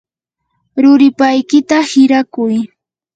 ruripaykita hirakuy.